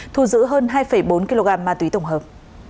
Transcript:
thu giữ hơn hai bốn kg ma túy tổng hợp